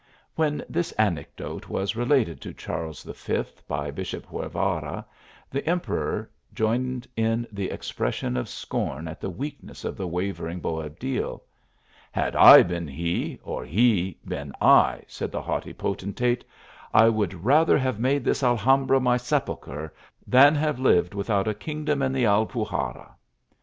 When this anecdote was related to Charles V., by Bishop Guevara, the emperor joined in the expres sion of scorn at the weakness of the wavering Boab di). "Had I been he, or he been I," said ihe haughty potentate, " I would rather have made this Alhambra my sepulchre, than have lived without a kingdom in the Alpuxarras."